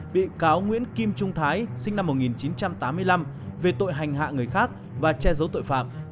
bị cáo nguyễn kim trung thái sinh năm một nghìn chín trăm tám mươi năm về tội hành hạ người khác và che giấu tội phạm